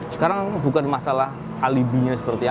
sekarang bukan masalah alibinya seperti apa